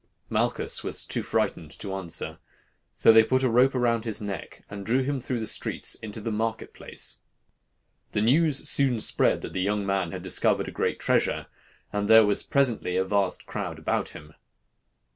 Malchus was too frightened to answer. So they put a rope round his neck, and drew him through the streets into the market place. The news soon spread that the young man had discovered a great treasure, and there was presently a vast crowd about him.